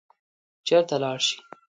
چېرته لاړ شي.